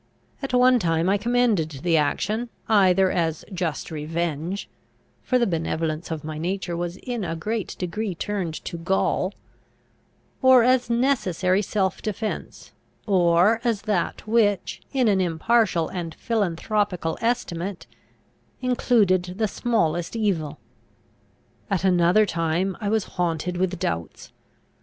At one time I commended the action, either as just revenge (for the benevolence of my nature was in a great degree turned to gall), or as necessary self defence, or as that which, in an impartial and philanthropical estimate, included the smallest evil. At another time I was haunted with doubts.